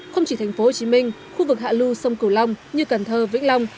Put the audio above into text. không chỉ thành phố hồ chí minh khu vực hạ lưu sông cửu long như cần thơ vĩnh long